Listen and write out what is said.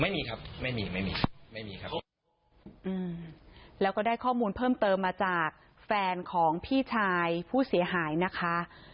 ไม่มีครับไม่มีไม่มีครับอืมแล้วก็ได้ข้อมูลเพิ่มเติมมาจากแฟนของพี่ชายผู้เสียหายนะคะ